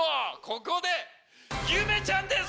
ここでゆめちゃんです。